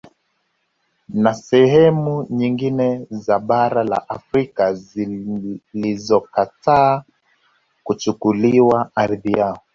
Na sehemu nyingine za bara la Afrika zilizokataa kuchukuliwa ardhi yao